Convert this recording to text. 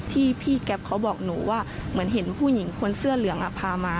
ที่พี่แก๊ปเขาบอกหนูว่าเหมือนเห็นผู้หญิงคนเสื้อเหลืองพามา